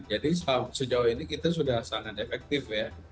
jadi sejauh ini kita sudah sangat efektif ya